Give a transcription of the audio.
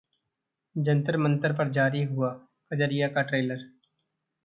जंतर-मंतर पर जारी हुआ 'कजरिया' का ट्रेलर